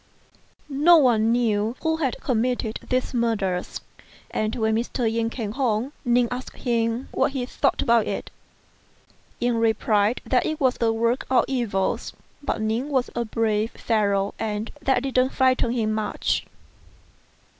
No one knew who had committed these murders, and when Mr. Yen came home, Ning asked him what he thought about it. Yen replied that it was the work of devils, but Ning was a brave fellow, and that didn't frighten him much.